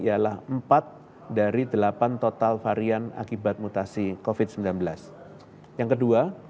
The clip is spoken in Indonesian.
ialah empat dari delapan total varian akibat mutasi covid sembilan belas yang kedua